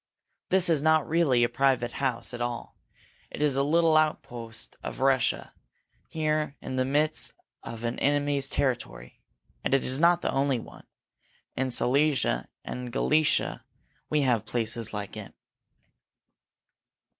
This is not really a private house at all it is a little outpost of Russia, here in the midst of an enemy's country. And it is not the only one. In Silesia and in Galicia we have places like it."